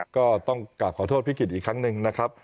ก็ต้องกลับขอโทษพี่กิจอีกครั้งหนึ่งนะครับ